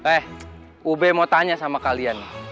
eh ub mau tanya sama kalian